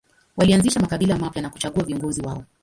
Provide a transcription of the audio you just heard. Walianzisha makabila mapya na kuchagua viongozi wao.